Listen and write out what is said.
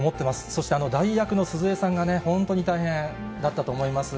そして、代役の鈴江さんがね、本当に大変だったと思います。